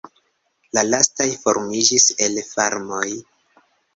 La lastaj formiĝis el farmoj.